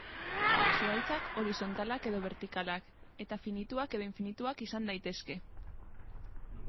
Zuhaitzak horizontalak edo bertikalak, eta finituak edo infinituak izan daitezke.